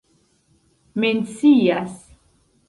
mencias